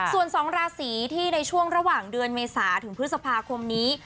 ส่วน๒ราศีที่ในช่วงระหว่างเดือนเมษาถึงพฤษภาคมนี้